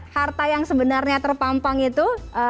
harta yang sebenarnya terpampang itu